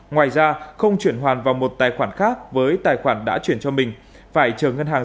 ngoài ra không chuyển hoàn vào một tài khoản khác với tài khoản đã chuyển cho mình